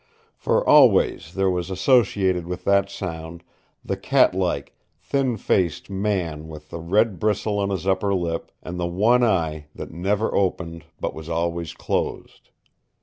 For always there was associated with that sound the cat like, thin faced man with the red bristle on his upper lip, and the one eye that never opened but was always closed.